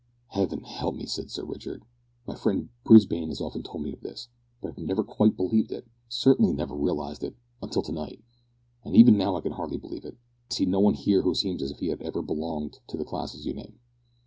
"Heaven help me!" said Sir Richard; "my friend Brisbane has often told me of this, but I have never quite believed it certainly never realised it until to night. And even now I can hardly believe it. I see no one here who seems as if he ever had belonged to the classes you name."